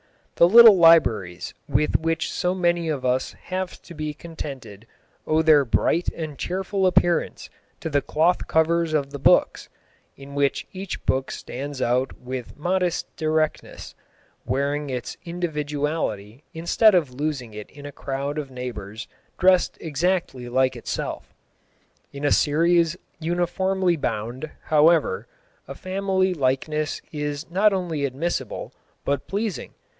The little libraries with which so many of us have to be contented owe their bright and cheerful appearance to the cloth covers of the books, in which each book stands out with modest directness, wearing its individuality instead of losing it in a crowd of neighbours dressed exactly like itself. In a series uniformly bound, however, a family likeness is not only admissible, but pleasing.